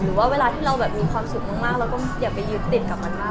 เวลาที่เราแบบมีความสุขมากเราก็อย่าไปยึดติดกับมันมาก